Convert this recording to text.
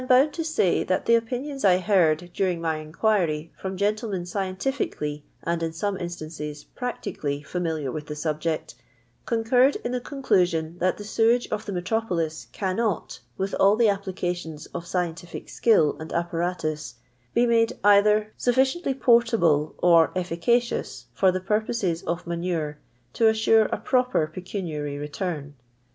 bound to wKf that the opinioiM I heard daring my inquiry from gentlemen KientiBcmlly and, in some initancei, practically familiar with the sub ject, concurred in the conclusion that the teieage of the metropolis cannot, with all the applications of scientific skill and apparatus, be made either sufficiently portible or efficacious for the purposes of manure to auure a proper pecuniary return.